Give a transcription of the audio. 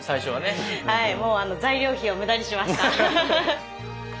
もう材料費を無駄にしました。